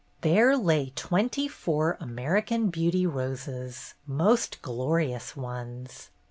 There lay twenty four American Beauty roses, most glorious ones.